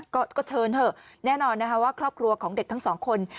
ก็เชิญเถอะแน่นอนนะคะว่าครอบครัวของเด็กทั้งสองคน